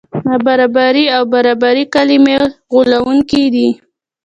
نابرابري او برابري کلمې غولوونکې دي.